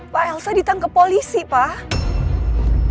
pak elsa ditangkap polisi pak